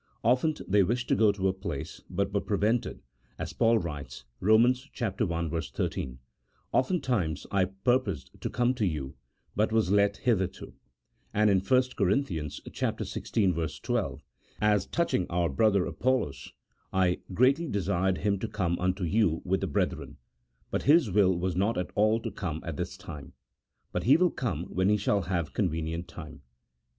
Often they wished to go to a place, but were prevented, as Paul writes, Eom. i. 13, " Oftentimes I purposed to come to you, but was let hitherto ;" and in 1 Cor. xvi. 12, "As touching our brother Apollos, I greatly desired him to come unto you with the brethren, but his will was not at all to come at this time : but he will come when he shall have con venient time."